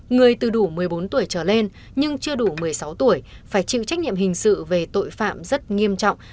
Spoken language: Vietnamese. người từ đủ một mươi bốn tuổi trở lên nhưng chưa đủ một mươi sáu tuổi phải chịu trách nhiệm hình sự về tội phạm rất nghiêm trọng